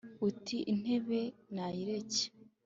uti: intebe nayireke